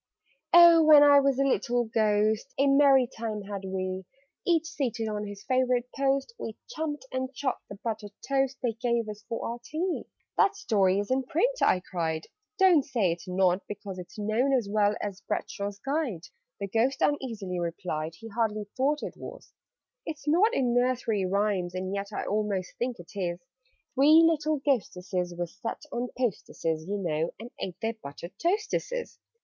"Oh, when I was a little Ghost, A merry time had we! Each seated on his favourite post, We chumped and chawed the buttered toast They gave us for our tea." "That story is in print!" I cried. "Don't say it's not, because It's known as well as Bradshaw's Guide!" (The Ghost uneasily replied He hardly thought it was). "It's not in Nursery Rhymes? And yet I almost think it is 'Three little Ghosteses' were set 'On posteses,' you know, and ate Their 'buttered toasteses.'